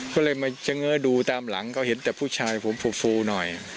ก็เลยมาเฉง้อดูตามหลังก็เห็นแต่ผู้ชายผมฟูหน่อย